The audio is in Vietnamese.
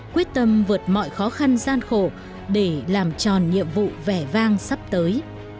quyết tâm vượt mọi khó khăn gian khổ để làm tròn nhiệm vụ vẻ vang sắp tới